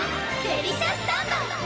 デリシャスタンバイ！